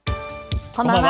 こんばんは。